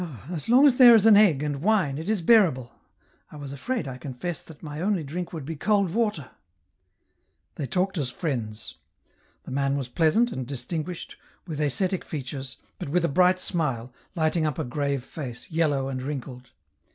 " Ah, as long as there is an egg and wine it is bearable. I was afraid, I confess, that my only drink would be cold water." They talked as friends. The man was pleasant, and distinguished, with ascetic features, but with a bright smile, lighting up a grave face, yellow and wrinkled.